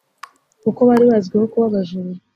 kuko bari bazwiho kuba abajura